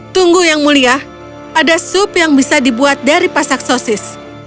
tunggu yang mulia ada sup yang bisa dibuat dari pasak sosis